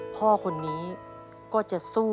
พ่อคนนี้ก็จะสู้